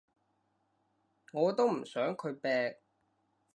我都唔想佢病